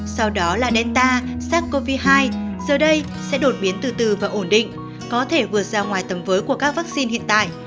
sau đó là nelta sars cov hai giờ đây sẽ đột biến từ từ và ổn định có thể vượt ra ngoài tầm với của các vaccine hiện tại